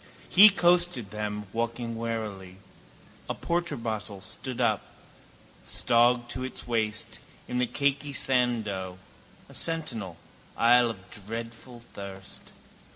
He coasted them, walking warily. A porterbottle stood up, stogged to its waist, in the cakey sand dough. A sentinel: isle of dreadful thirst.